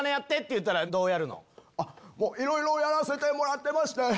いろいろやらせてもらってまして。